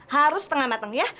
harus setengah matang ya